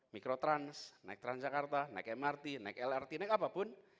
mikrotrans naik transjakarta naik mrt naik lrt naik apapun